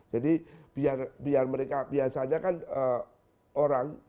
jadi biar mereka biasanya kan orang